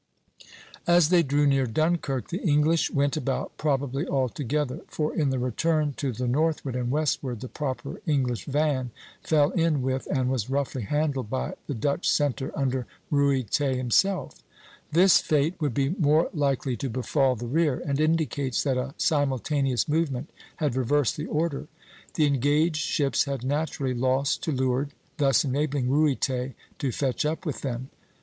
As they drew near Dunkirk the English went about, probably all together; for in the return to the northward and westward the proper English van fell in with and was roughly handled by the Dutch centre under Ruyter himself (Fig. 2, C''). This fate would be more likely to befall the rear, and indicates that a simultaneous movement had reversed the order. The engaged ships had naturally lost to leeward, thus enabling Ruyter to fetch up with them.